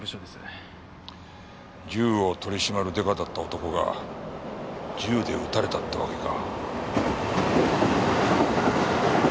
銃を取り締まる刑事だった男が銃で撃たれたってわけか。